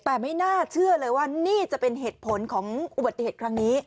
แต่ไม่น่าเชื่อเลยว่านี่จะเป็นเหตุผลของอุบัติเหตุครั้งนี้